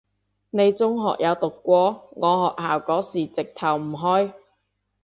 你中學有讀過？我學校嗰時直頭唔開